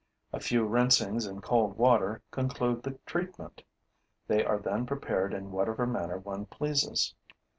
A few rinsings in cold water conclude the treatment. They are then prepared in whatever manner one pleases.